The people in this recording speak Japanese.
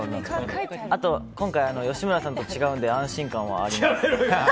あと、今回吉村さんと違うので安心感はあります。